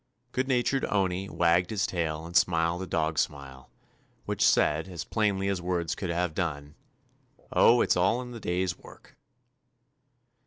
Good natured Owney wagged his tail and smiled a dog smile, which said, as plainly as words could have done, *'0h, it 's all in the day's work."